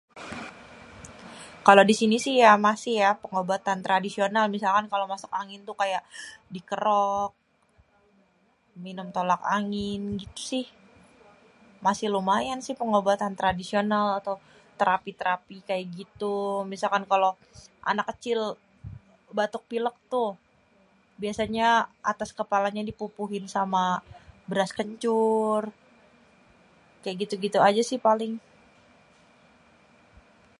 Kalo di sini sih ya masih ya pengobatan tradisional, misalnya kalo masuk angin tuh kan dikerok, minum tolak angin, gitu sih. Masih lumayan sih pengobatan tradisional ato terapi-terapi kayak gitu, misalkan kalo anak kecil batuk pilek itu, biasanya atas kepalanya dipupuhin sama beras kencur. Kayak gitu-gitu aja sih paling.